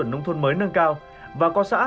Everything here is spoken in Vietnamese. nông thôn mới nâng cao và có xã